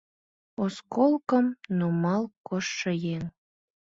Осколкым нумал коштшо еҥ.